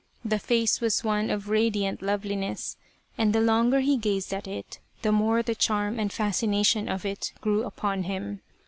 The face was one of radiant loveliness, and the longer he gazed at it, the more the charm and fascination of it grew upon him.